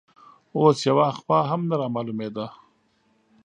اوس یوه خوا هم نه رامالومېده